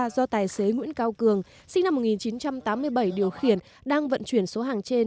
do tài xế nguyễn cao cường sinh năm một nghìn chín trăm tám mươi bảy điều khiển đang vận chuyển số hàng trên